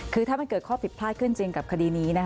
คือถ้ามันเกิดข้อผิดพลาดขึ้นจริงกับคดีนี้